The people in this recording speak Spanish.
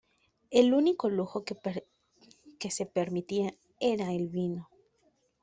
El único lujo que se permitía era el vino.